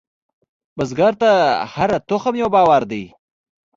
بزګر ته هره تخم یو باور دی